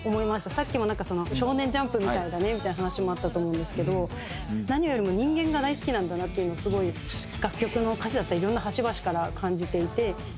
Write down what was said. さっきも「『少年ジャンプ』みたいだね」みたいな話もあったと思うんですけど何よりも人間が大好きなんだなっていうのをすごい楽曲の歌詞だったりいろんな端々から感じていて。